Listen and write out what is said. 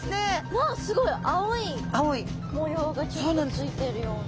わっすごい青い模様がちょっとついてるような。